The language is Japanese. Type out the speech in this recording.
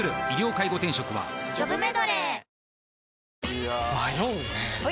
いや迷うねはい！